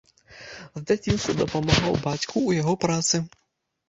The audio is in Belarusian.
З дзяцінства дапамагаў бацьку ў яго працы.